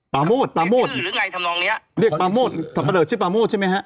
ปะโมดปะโมดเรียกปะโมดสับปะเหล่อชื่อปะโมดใช่ไหมฮะ